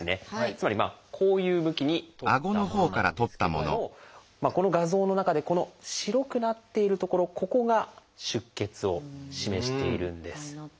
つまりこういう向きに撮ったものなんですけどもこの画像の中でこの白くなっている所ここが出血を示しているんです。